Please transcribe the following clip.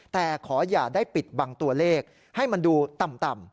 แต่ขออย่าได้ปิดบังตัวเลขให้มันดูต่ำ